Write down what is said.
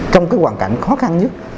trong cái hoàn cảnh khó khăn nhất